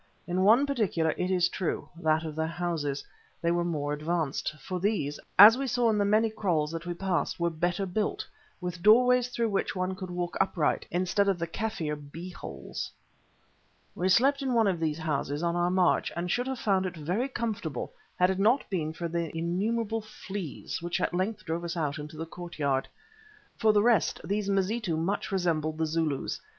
In one particular, it is true, that of their houses, they were more advanced, for these, as we saw in the many kraals that we passed, were better built, with doorways through which one could walk upright, instead of the Kaffir bee holes. We slept in one of these houses on our march, and should have found it very comfortable had it not been for the innumerable fleas which at length drove us out into the courtyard. For the rest, these Mazitu much resembled the Zulus.